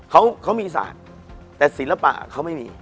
เขามีศาสตร์แต่ศิลปะเขาไม่มี